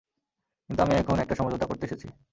কিন্তু আমি এখন একটা সমঝোতা করতে এসেছি।